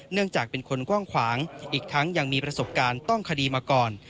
เนื่องจากเป็นคนกว้างขวางอีกทั้งยังมีประสบการณ์ต้องคดีมาก่อน